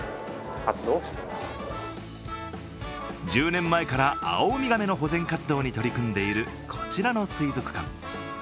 １０年前から青海亀の保全活動に取り組んでいる、こちらの水族館。